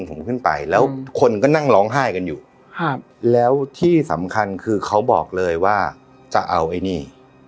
ผมขึ้นไปแล้วคนก็นั่งร้องไห้กันอยู่ครับแล้วที่สำคัญคือเขาบอกเลยว่าจะเอาไอ้นี่